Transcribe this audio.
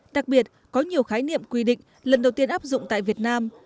đặc biệt có nhiều khái niệm quy định lần đầu tiên áp dụng tại việt nam